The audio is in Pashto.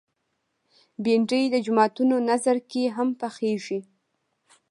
بېنډۍ د جوماتونو نذر کې هم پخېږي